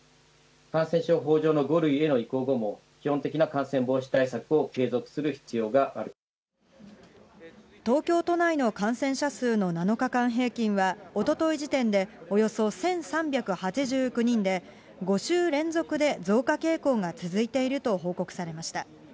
感染症法上の５類への移行後も、基本的な感染防止対策を継続する東京都内の感染者数の７日間平均は、おととい時点でおよそ１３８９人で、５週連続で増加傾向が続いていると報告されました。